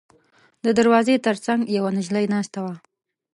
د دروازې تر څنګ یوه نجلۍ ناسته وه.